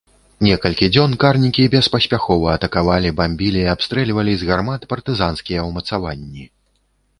Некалькі дзён карнікі беспаспяхова атакавалі, бамбілі і абстрэльвалі з гармат партызанскія ўмацаванні.